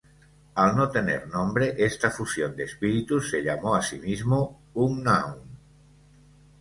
Al no tener nombre esta fusión de espíritus se llamó a sí mismo Unknown.